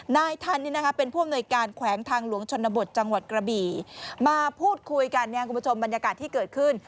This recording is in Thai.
นายทันเป็นผู้อำนวยการแขวงทางหลวงชนบทจังหวัดกระบี่มาพูดคุยกันเนี่ยคุณผู้ชมบรรยากาศที่เกิดขึ้น